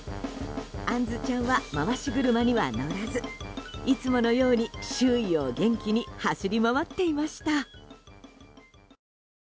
あんずちゃんは回し車には乗らずいつものように、周囲を元気に走り回っていました。